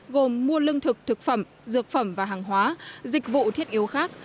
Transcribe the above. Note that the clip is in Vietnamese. gồm mua lương thực thực phẩm dược phẩm và hàng hóa dịch vụ thiết yếu khác